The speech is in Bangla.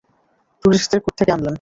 টুরিস্টদের কোত্থেকে আনলেন?